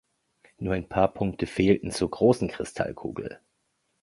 Nur ein paar Punkte fehlten zur großen Kristallkugel.